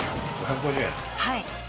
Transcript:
はい。